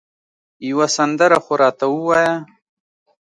یوه سندره خو راته ووایه